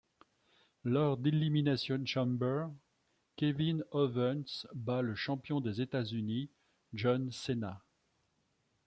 Lors d'Elimination Chamber, Kevin Owens bat le champion des États-Unis John Cena.